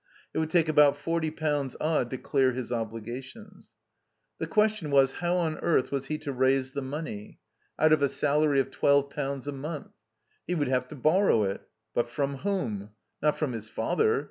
It would take about forty pounds odd to clear his obligations. The question was how on earth was he to raise the money? Out, of a salary of twelve pounds a month? He would have to borrow it. But from whom? Not from his father.